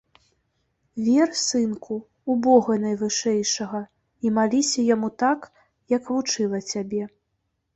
Вер, сынку, у бога найвышэйшага і маліся яму так, як вучыла цябе.